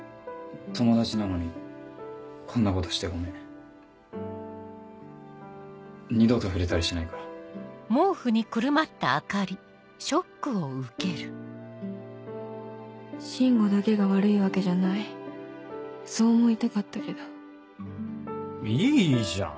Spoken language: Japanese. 友達なのにこんなことしてごめん二度と触れたりしないから進吾だけが悪いわけじゃないそう思いたかったけどいいじゃん